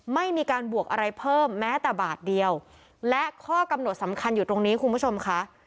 ไม่มีการบวกอะไรเพิ่มแม้แต่บาทเดียวและข้อกำหนดสำคัญอยู่ตรงนี้คุณผู้ชมค่ะ